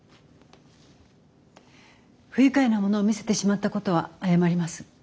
不愉快なものを見せてしまったことは謝ります。